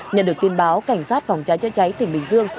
nhận được tin báo cảnh sát phòng cháy chữa cháy tỉnh bình dương